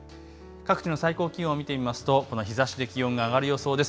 各地の最高気温見てみますとこの日ざしで気温が上がる予想です。